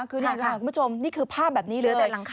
คือนี่ค่ะคุณผู้ชมนี่คือภาพแบบนี้เลย